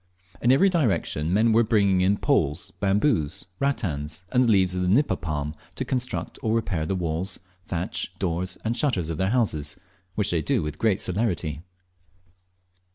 In every direction men were bringing in poles, bamboos, rattans, and the leaves of the nipa palm to construct or repair the walls, thatch, doors, and shutters of their houses, which they do with great celerity.